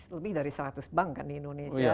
lebih dari seratus bank kan di indonesia